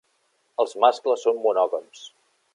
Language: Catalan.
Els mascles són monògams.